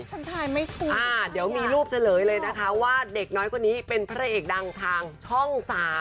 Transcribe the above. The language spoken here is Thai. ทายไม่ถูกเดี๋ยวมีรูปเฉลยเลยนะคะว่าเด็กน้อยคนนี้เป็นพระเอกดังทางช่อง๓